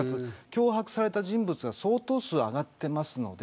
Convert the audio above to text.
脅迫された人物は相当数、挙がっています。